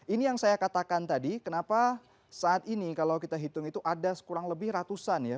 ini yang saya katakan tadi kenapa saat ini kalau kita hitung itu ada kurang lebih ratusan ya